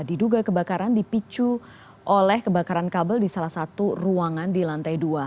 diduga kebakaran dipicu oleh kebakaran kabel di salah satu ruangan di lantai dua